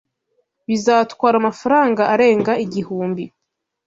Bizatwara amafaranga arenga igihumbi.